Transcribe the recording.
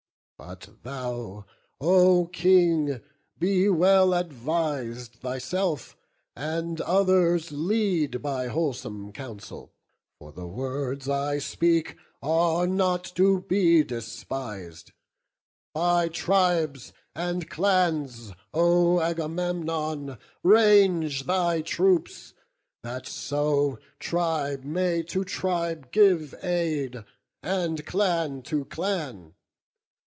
But thou, O King! Be well advis'd thyself, and others lead By wholesome counsel; for the words I speak Are not to be despis'd; by tribes and clans, O Agamemnon! range thy troops, that so Tribe may to tribe give aid, and clan to clan.